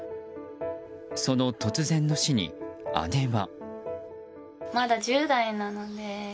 その突然の死に姉は。